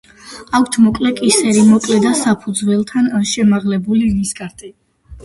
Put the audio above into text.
აქვთ მოკლე კისერი, მოკლე და საფუძველთან შემაღლებული ნისკარტი.